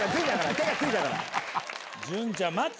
手がついたから。